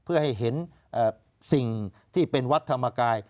เพื่อให้เห็นสิ่งที่เป็นวัดธรรมกาย